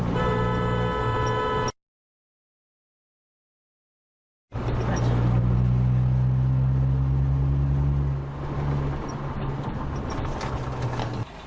ทำไมครับ